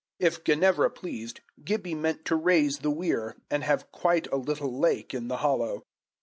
If Ginevra pleased, Gibbie meant to raise the weir, and have quite a little lake in the hollow.